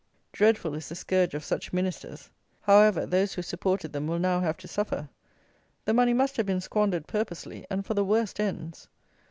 Dreadful is the scourge of such Ministers. However, those who supported them will now have to suffer. The money must have been squandered purposely, and for the worst ends.